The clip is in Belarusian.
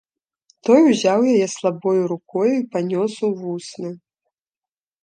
Той узяў яе слабою рукою і панёс у вусны.